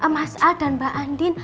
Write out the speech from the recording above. mas a dan mbak andin